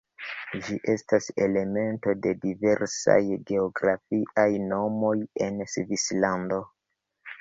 Ĝi estas elemento de diversaj geografiaj nomoj en Svislando.